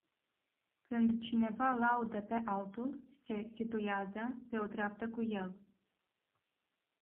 Când cineva laudă pe altul, se situează pe o treaptă cu el.